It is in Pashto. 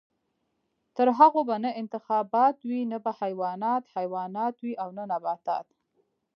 تر هغو به نه انتخابات وي، نه به حیوانات حیوانات وي او نه نباتات.